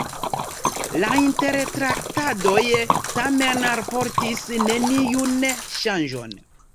La intertraktadoj tamen alportis neniun ŝanĝon.